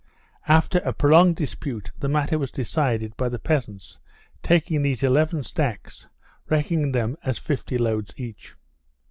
After a prolonged dispute the matter was decided by the peasants taking these eleven stacks, reckoning them as fifty loads each.